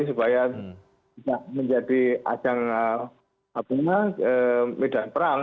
supaya tidak menjadi ajang medan perang